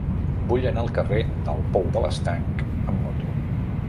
Vull anar al carrer del Pou de l'Estanc amb moto.